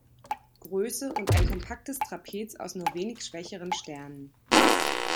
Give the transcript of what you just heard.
Größe und ein kompaktes Trapez aus nur wenig schwächeren Sternen.